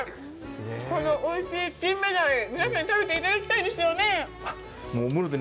このおいしいキンメダイ、皆さんに食べていただきたいですよね？